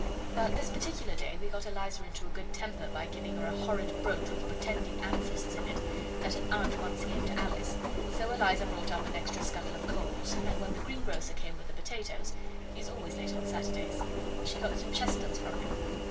But this particular day we got Eliza into a good temper by giving her a horrid brooch with pretending amethysts in it, that an aunt once gave to Alice, so Eliza brought up an extra scuttle of coals, and when the greengrocer came with the potatoes (he is always late on Saturdays) she got some chestnuts from him.